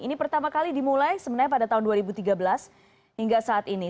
ini pertama kali dimulai sebenarnya pada tahun dua ribu tiga belas hingga saat ini